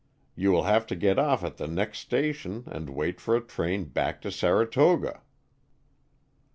You will have to get off at the next station and wait for a train back to Saratoga.